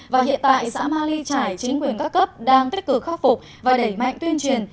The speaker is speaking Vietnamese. và hiện tại xã mali trải chính quyền các cấp đang tích cực khắc phục và đẩy mạnh tuyên truyền